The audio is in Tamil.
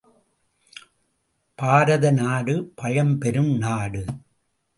பாரதநாடு பழம் பெரும் நாடு!